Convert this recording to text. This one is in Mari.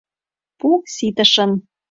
Пу ситышын.